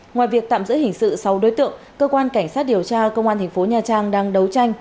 ngoài việc tạm giữ hình sự sáu đối tượng cơ quan cảnh sát điều tra công an thành phố nha trang đang đấu tranh